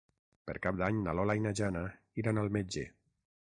Per Cap d'Any na Lola i na Jana iran al metge.